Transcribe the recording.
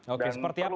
oke seperti apa